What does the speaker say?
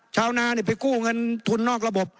ชาวนาไปกู้เงินทุนนอกระบบ